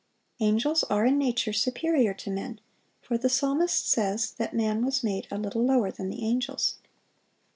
Angels are in nature superior to men; for the psalmist says that man was made "a little lower than the angels."